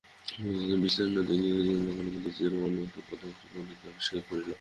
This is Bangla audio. প্রথম অপরাহ্নটিতে বিতস্তা নদীতীরে এক জঙ্গলের মধ্যে আমরা চির-অন্বেষিত পাণ্ড্রেন্থান মন্দির আবিষ্কার করিলাম।